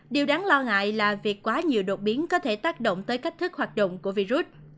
điều đáng lo ngại là việc quá nhiều đột biến có thể tác động tới cách thức hoạt động của virus